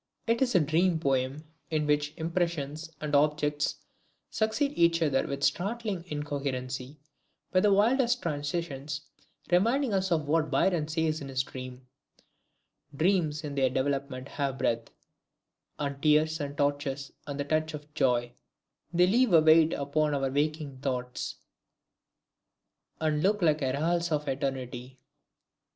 It is a dream poem, in which the impressions and objects succeed each other with startling incoherency and with the wildest transitions, reminding us of what Byron says in his "DREAM:" "... Dreams in their development have breath, And tears, and tortures, and the touch of joy; They leave a weight upon our waking thoughts, And look like heralds of Eternity."